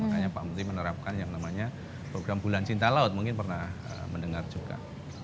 makanya pak menteri menerapkan yang namanya program bulan cinta laut mungkin pernah mendengar juga